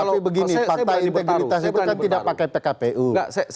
pakta integritas itu kan tidak pakai pkpu nya